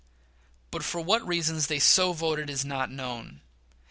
But for what reasons they so voted is not known.